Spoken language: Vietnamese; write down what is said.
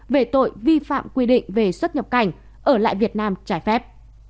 về tội vi phạm quy định về xuất nhập cảnh ở lại việt nam trái phép